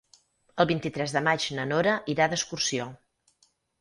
El vint-i-tres de maig na Nora irà d'excursió.